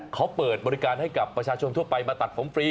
เขาเปิดบริการให้กับประชาชนทั่วไปมาตัดผมฟรี